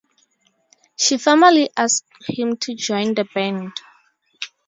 She formally asked him to join the band.